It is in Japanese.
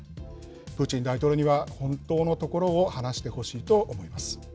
プーチン大統領には本当のところを話してほしいと思います。